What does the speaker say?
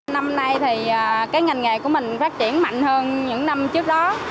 năm nay thì cái ngành nghề của mình phát triển mạnh hơn những năm trước đó